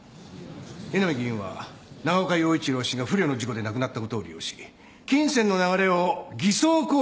江波議員は長岡洋一郎氏が不慮の事故で亡くなったことを利用し金銭の流れを偽装工作した可能性が高い。